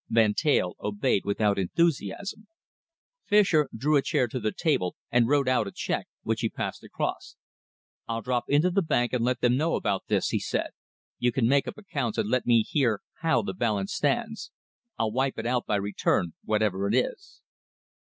Van Teyl obeyed without enthusiasm. Fischer drew a chair to the table and wrote out a cheque, which he passed across. "I'll drop into the bank and let them know about this," he said. "You can make up accounts and let me hear how the balance stands. I'll wipe it out by return, whatever it is."